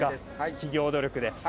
企業努力で。